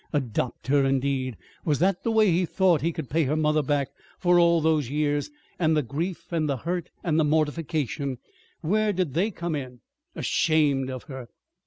Adopt her, indeed! Was that the way he thought he could pay her mother back for all those years? And the grief and the hurt and the mortification where did they come in? Ashamed of her!